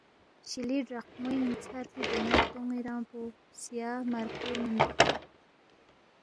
شیلی گراہموئینگ ژھرفی بونوے غدونی رنگ پو سیاہ مرفوئے میندوق ژوخ،